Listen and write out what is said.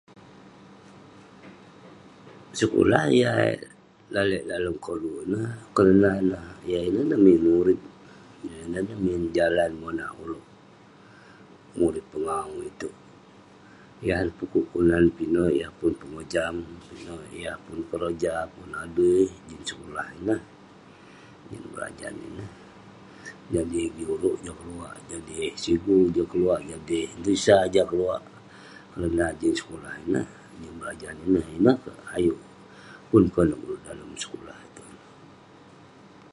Sekulah yah lalek dalem koluk ulouk, konak ne, yan inen ne koluk ulouk. Yan inen min jalan monak ulouk. Urip pengau ituek. Yan pukuk kelunan pinek yah pun pengojam, pineh yah pun keroja, pun adui jin sekulah. Jadi [unintelligible] jah keluak, jadi sigu jak keluak, jadi [unintelligible] jah keluak.